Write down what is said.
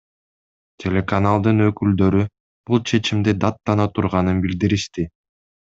Телеканалдын өкүлдөрү бул чечимди даттана турганын билдиришти.